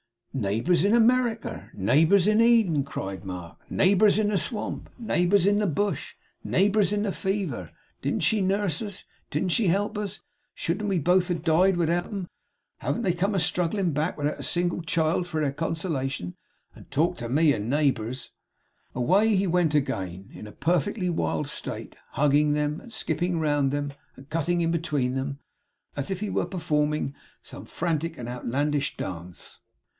'Neighbours in America! Neighbours in Eden!' cried Mark. 'Neighbours in the swamp, neighbours in the bush, neighbours in the fever. Didn't she nurse us! Didn't he help us! Shouldn't we both have died without 'em! Haven't they come a strugglin' back, without a single child for their consolation! And talk to me of neighbours!' Away he went again, in a perfectly wild state, hugging them, and skipping round them, and cutting in between them, as if he were performing some frantic and outlandish dance.